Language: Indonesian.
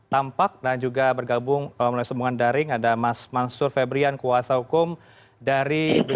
tampak dan juga bergabung melalui sambungan daring ada mas mansur febrian kuasa hukum dari